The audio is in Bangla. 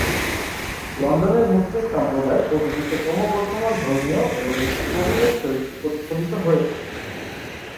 লন্ডনের মুসলিম সম্প্রদায় প্রকৃতিতে ক্রমবর্ধমান ধর্মীয় এবং এটি করিমের চরিত্রে প্রতিফলিত হয়েছে।